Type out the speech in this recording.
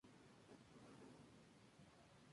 Era organizada por la Federación Sanmarinense de Fútbol.